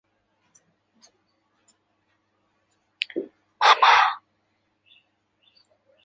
拥军优属联欢晚会由中共北京市委和北京市人民委员会举办。